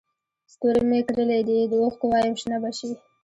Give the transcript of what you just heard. ستوري مې کرلي دي د اوښکو وایم شنه به شي